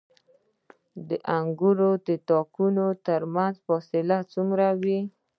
د انګورو د تاکونو ترمنځ فاصله څومره وي؟